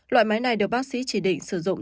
loại máy này được bác sĩ chỉ định sử dụng